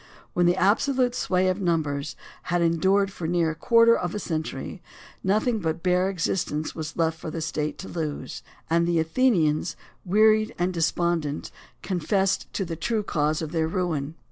When the absolute sway of numbers had endured for near a quarter of a century, nothing but bare existence was left for the State to lose; and the Athenians, wearied and despondent, confessed the true cause of their ruin.